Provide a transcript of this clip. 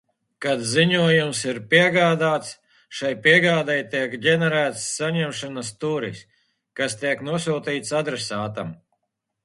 Kad ziņojums ir piegādāts, šai piegādei tiek ģenerēts saņemšanas turis, kas tiek nosūtīts adresātam.